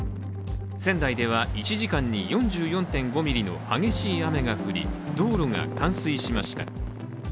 仙台では１時間に４４．５ミリの激しい雨が降り道路が冠水しました。